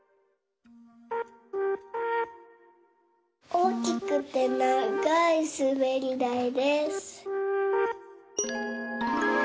おおきくてながいすべりだいです。